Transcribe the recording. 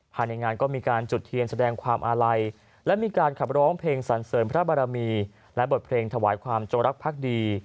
ภายในงานก็มีการจุดเทียนแสดงความอาลัยและมีการขับร้องเพลงสันเสริมพระบารมีและบทเพลงถวายความจงรักภักดี